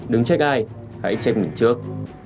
đừng trách ai hãy trách mình trước